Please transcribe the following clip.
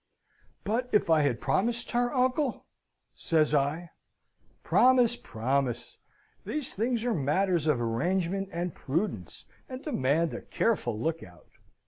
"But if I had promised her, uncle?" says I. "Promise, promise! these things are matters of arrangement and prudence, and demand a careful look out.